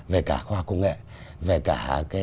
về cả khoa học công nghệ về cả